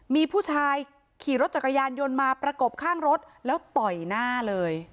มีผู้ชายขี่รถจักรยานยนต์มาประกบข้างรถแล้วต่อยหน้าเลย